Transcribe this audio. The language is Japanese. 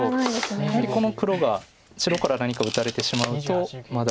やはりこの黒が白から何か打たれてしまうとまだ。